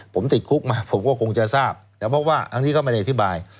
ผมติดคุกมาผมก็คงจะทราบแต่เพราะว่าอันนี้ก็ไม่ได้อธิบาย